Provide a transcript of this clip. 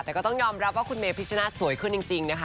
แต่ก็ต้องยอมรับว่าคุณเมพิชนะสวยขึ้นจริงนะคะ